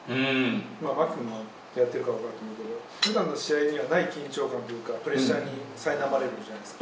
マキもやってるかも分からないけど、ふだんの試合にはない緊張感というか、プレッシャーにさいなまれるじゃないですか。